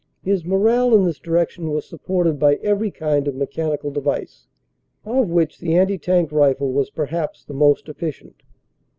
His morale in this direction was supported by every kind of mechanical device, of which the anti tank rifle was perhaps the most efficient.